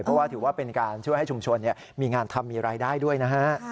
เพราะว่าถือว่าเป็นการช่วยให้ชุมชนมีงานทำมีรายได้ด้วยนะฮะ